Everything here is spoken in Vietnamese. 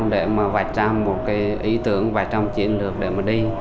để mà vạch ra một cái ý tưởng vạch ra một cái chiến lược để mà đi